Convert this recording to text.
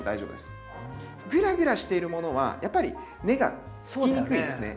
グラグラしているものはやっぱり根がつきにくいんですね。